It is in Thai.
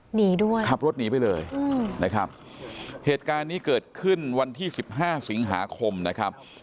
หนีด้วยขับรถหนีไปเลยนะครับเหตุการณ์นี้เกิดขึ้นวันที่สิบห้าสิงหาคมนะครับ